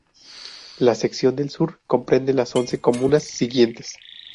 La sección de Sur comprende las once comunas siguientes